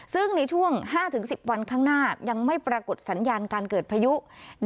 ซึ่งในช่วง๕๑๐วันข้างหน้ายังไม่ปรากฏสัญญาณการเกิดพายุ